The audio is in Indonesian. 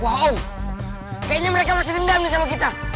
wah om kayaknya mereka masih dendam nih sama kita